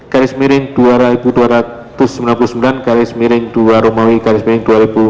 garis miring dua dua ratus sembilan puluh sembilan garis miring dua romawi garis miring dua ribu dua puluh